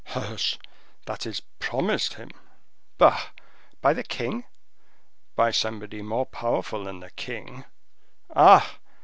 "Hush! that is promised him." "Bah! by the king?" "By somebody more powerful than the king." "Ah!